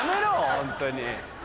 ホントに。